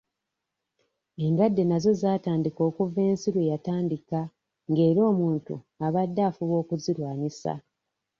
Endwadde nazo zaatandika okuva ensi lwe yatandika ng'era omuntu abadde afuba okuzirwanisa.